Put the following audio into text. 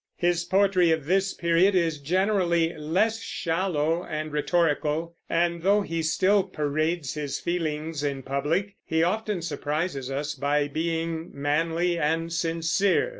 His poetry of this period is generally less shallow and rhetorical, and though he still parades his feelings in public, he often surprises us by being manly and sincere.